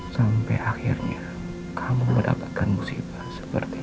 sampai akhirnya kamu mendapatkan musibah seperti ini